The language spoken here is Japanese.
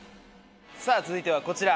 さあ続いてはこちら。